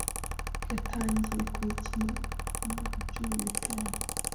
Yatangiye kuyikina mu myaka cumi nitanu